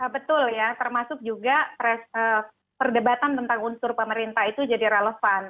betul ya termasuk juga perdebatan tentang unsur pemerintah itu jadi relevan